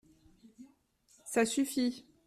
Ça suffit !